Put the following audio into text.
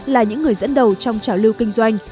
là những người dẫn đầu trong trào lưu kinh doanh